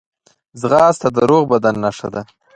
ځغاسته د روغ بدن نښه ده